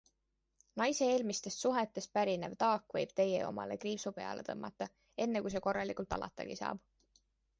Naise eelmistest suhetest pärinev taak võib teie omale kriipsu peale tõmmata, enne kui see korralikult alatagi saab.